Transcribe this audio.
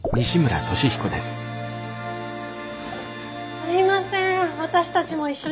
すいません私たちも一緒に行く予定が。